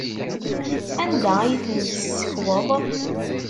Anda ay ten-tessekweḍ?